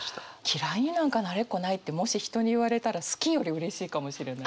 嫌いになんかなれっこないってもし人に言われたら好きよりうれしいかもしれない。